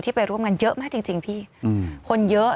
ไปร่วมงานเยอะมากจริงพี่คนเยอะ